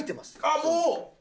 ああもう！